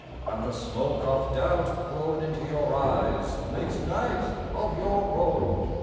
and the smoke Of doubt, blown into your eyes, makes night of your road?